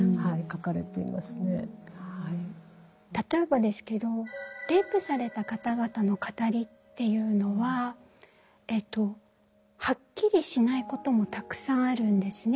例えばですけどレイプされた方々の語りっていうのははっきりしないこともたくさんあるんですね。